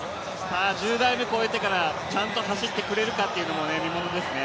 １０台目越えてから、ちゃんと走ってくれるのかというのも見ものですね。